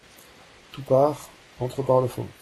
Toupart entre par le fond.